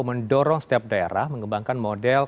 mendorong setiap daerah mengembangkan model